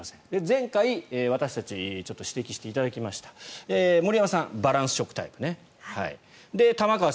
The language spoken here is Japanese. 前回、私たちちょっと指摘していただきました森山さん、バランス食タイプ。